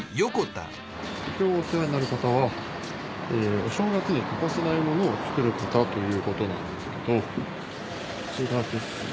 今日お世話になる方はお正月に欠かせないものを作る方ということなんですけどこちらですね。